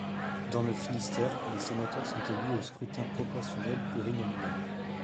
Dans le Finistère, les sénateurs sont élus au scrutin proportionnel plurinominal.